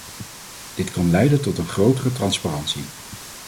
Dit kan leiden tot een grotere transparantie.